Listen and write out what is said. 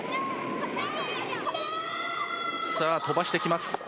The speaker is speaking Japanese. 飛ばしてきます。